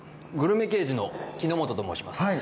グルメ刑事の木ノ本と申します